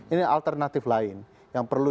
ini alternatif lain yang perlu